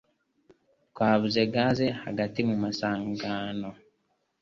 Twabuze gaze hagati mu masangano